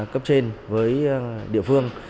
cấp trên với địa phương